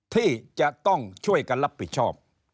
ที่จะต้องช่วยกันรับผิดชอบ